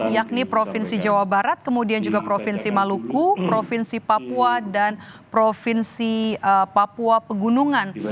yakni provinsi jawa barat kemudian juga provinsi maluku provinsi papua dan provinsi papua pegunungan